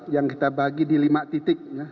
yang kita bagi di lima titik